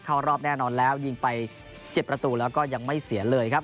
เข้ารอบแน่นอนแล้วยิงไป๗ประตูแล้วก็ยังไม่เสียเลยครับ